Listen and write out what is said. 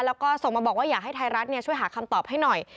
แล้วก็ส่งมาบอกว่าอยากให้ไทยรัฐช่วยหาคำตอบให้หน่อย